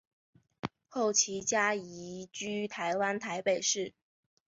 后其家移居台湾台北市。